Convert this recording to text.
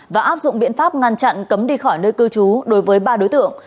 và áp dụng biện pháp ngăn chặn cấm đi khỏi nơi cư trú đối với ba đối tượng